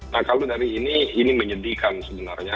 nah kalau dari ini ini menyedihkan sebenarnya